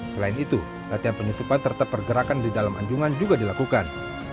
selain itu latihan penyusupan serta pergerakan di dalam anjungan juga dilakukan